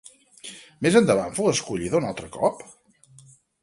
Més endavant fou escollida un altre cop?